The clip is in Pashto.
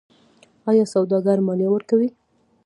آیا سوداګر مالیه ورکوي؟